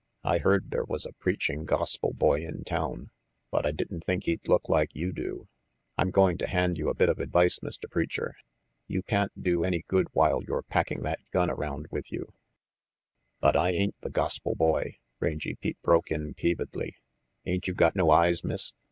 I heard there was a preaching gospel boy in town, but I didn't think he'd look like you do. I'm going to hand you a bit of advice, Mr. Preacher. You can't do any good while you're packing that gun around with you "But I ain't the gospel boy," Rangy Pete broke 38 RANGY PETE in peevedly. "Ain't you got no eyes, Miss?